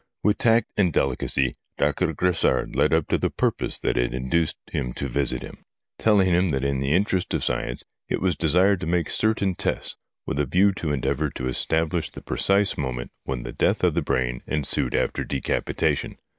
With tact and delicacy, Doctor Grassard led up to the purpose that had induced him to visit him ; SOME EXPERIMENTS WITH A HEAD 73 telling him that in the interest of science it was desired to make certain tests, with a view to endeavour to establish the precise moment when the death of the brain ensued after decapitation.